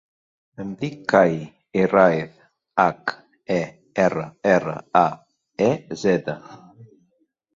Em dic Kai Herraez: hac, e, erra, erra, a, e, zeta.